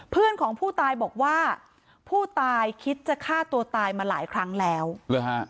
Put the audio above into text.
เพื่อนของผู้ตายบอกว่าผู้ตายคิดจะฆ่าตัวตายมาหลายครั้งแล้วหรือฮะ